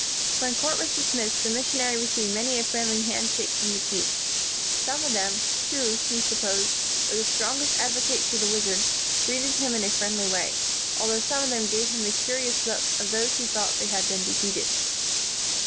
When court was dismissed, the mission ary received many a friendly hand shake from the chiefs. Some of them, who, he supposed, were the strongest advocates of the wizard, greeted him in a friendly way, although some of them gave him the curi ous look of those who felt they had been de feated.